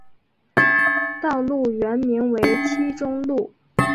道路原名为七中路。